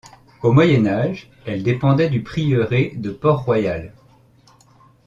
Au Moyen Âge, elle dépendait du prieuré de Port-Royal.